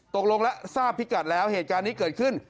ตกลงแล้วทราบพิกัดแล้วเหตุการณ์นี้เกิดขึ้น